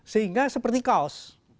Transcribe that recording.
sehingga seperti kaos